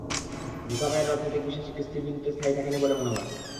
মূসা ভাইয়ের রাজনৈতিক বিশ্বাস একটি স্থির বিন্দুতে স্থায়ী থাকেনি বলে মনে হয়।